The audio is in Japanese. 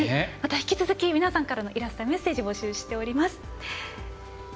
引き続き、皆さんからのイラストメッセージ、募集しています。